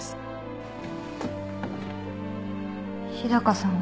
日高さんは。